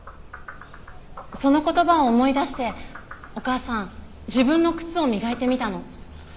その言葉を思い出してお母さん自分の靴を磨いてみたの。